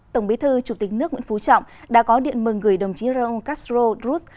tổng bí thư chủ tịch nước nguyễn phú trọng đã có điện mừng gửi đồng chí raúl castro drus